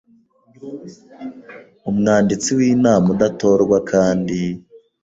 Umwanditsi w inama udatorwa kandi